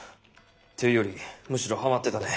っていうよりむしろハマってたで。